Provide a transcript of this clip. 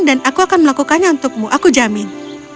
dan aku akan melakukannya untukmu aku jamin